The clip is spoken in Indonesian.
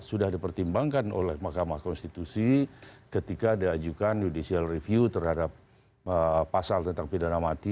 sudah dipertimbangkan oleh mahkamah konstitusi ketika diajukan judicial review terhadap pasal tentang pidana mati